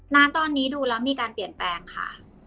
ณตอนนี้ดูแล้วมีการเปลี่ยนแปลงค่ะ